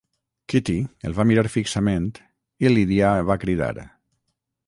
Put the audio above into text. Kitty el va mirar fixament, i Lydia va cridar.